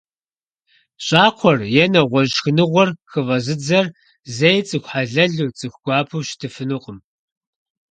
ЩӀакхъуэр е нэгъуэщӀ шхыныгъуэр хыфӀэзыдзэр зэи цӀыху хьэлэлу, цӀыху гуапэу щытыфынукъым.